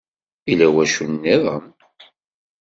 Yella wacu-nniden?